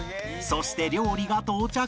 そして料理が到着！